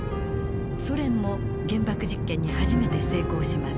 ソ連も原爆実験に初めて成功します。